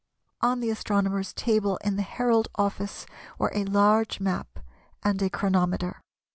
On the astronomer's table in the Herald office were a large map and a chronometer.